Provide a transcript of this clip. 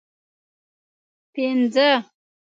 پنځه